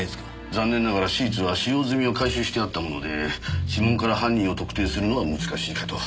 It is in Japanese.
残念ながらシーツは使用済みを回収してあったもので指紋から犯人を特定するのは難しいかと。